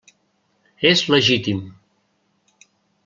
És legítim.